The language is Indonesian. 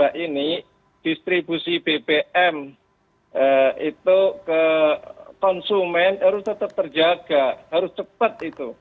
dan juga mengatakan bahwa untuk mencari kontribusi bbm itu ke konsumen harus tetap terjaga harus cepat itu